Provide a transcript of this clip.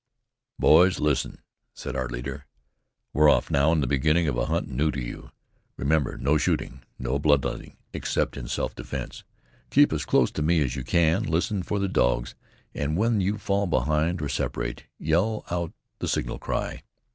"Boys, listen," said our leader. "We're off now in the beginning of a hunt new to you. Remember no shooting, no blood letting, except in self defense. Keep as close to me as you can. Listen for the dogs, and when you fall behind or separate, yell out the signal cry.